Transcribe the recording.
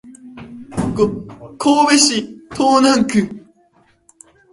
神戸市東灘区